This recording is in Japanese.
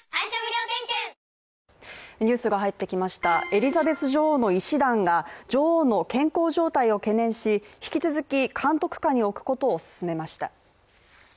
エリザベス女王の医師団が女王の健康状態を懸念し引き続き監督下に置くことを勧めました。